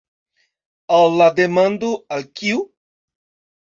Al la demando „al kiu?